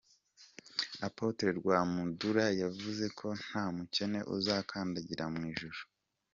Apotre Rwandamura yavuze ko nta mukene uzakandagira mu ijuru.